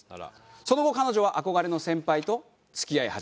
その後彼女は憧れの先輩と付き合い始めます。